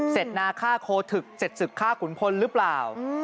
นาฆ่าโคทึกเสร็จศึกฆ่าขุนพลหรือเปล่า